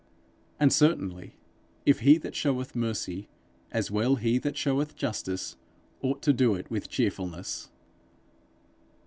And certainly, if he that showeth mercy, as well he that showeth justice, ought to do it with cheerfulness.